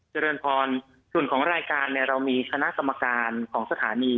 เจริญพรส่วนของรายการเนี่ยเรามีคณะกรรมการของสถานี